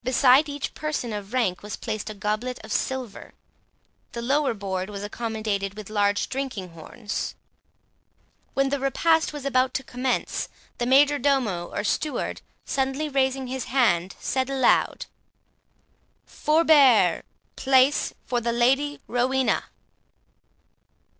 Beside each person of rank was placed a goblet of silver; the lower board was accommodated with large drinking horns. When the repast was about to commence, the major domo, or steward, suddenly raising his wand, said aloud,—"Forbear!—Place for the Lady Rowena."